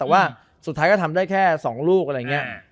แต่ว่าสุดท้ายก็ทำได้แค่๒ลูกอะไรอย่างนี้